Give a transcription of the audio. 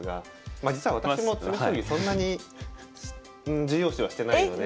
まあ実は私も詰将棋そんなに重要視はしてないので。